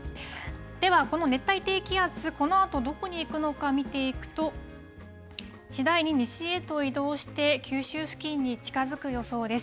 では、この熱帯低気圧、このあとどこに行くのか見ていくと、次第に西へと移動して、九州付近に近づく予想です。